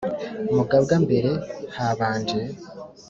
mugabwa-mbere habanje